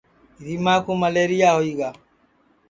ریماں کُو مئلیریا ہوئی گا